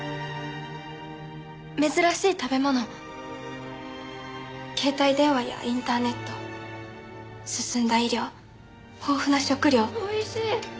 珍しい食べ物携帯電話やインターネット進んだ医療豊富な食料。